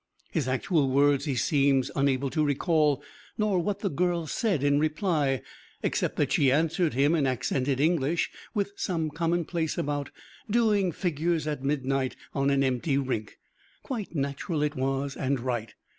His actual words he seems unable to recall, nor what the girl said in reply, except that she answered him in accented English with some commonplace about doing figures at midnight on an empty rink. Quite natural it was, and right.